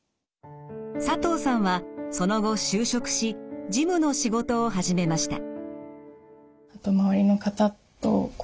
佐藤さんはその後就職し事務の仕事を始めました。